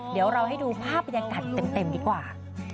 เดี๋ยวเราให้ดูภาพบรรยากาศเต็มดีกว่า